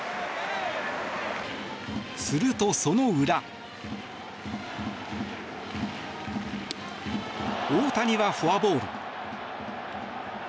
すると、その裏。大谷はフォアボール。